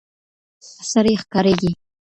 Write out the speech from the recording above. سرې ښكاريږي